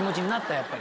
やっぱり。